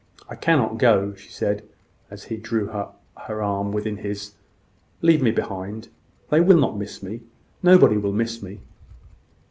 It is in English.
"I cannot go," she said, as he drew her arm within his. "Leave me behind. They will not miss me. Nobody will miss me."